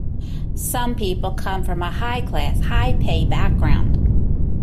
Some people come from a high-class, high-pay background.